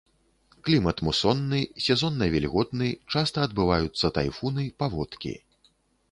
Клімат мусонны, сезонна-вільготны, часта адбываюцца тайфуны, паводкі.